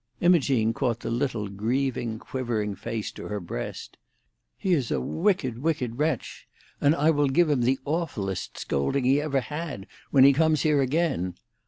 Imogene caught the little grieving, quivering face to her breast "He is a wicked, wicked wretch! And I will give him the awfulest scolding he ever had when he comes here again.